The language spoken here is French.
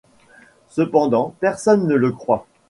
Cependant, personne ne le croit.